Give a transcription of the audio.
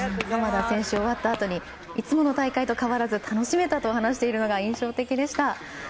浜田選手終わったあとにいつもと変わらず楽しめたと話しているのが印象的でした。